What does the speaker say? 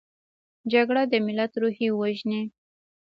جګړه د ملت روح وژني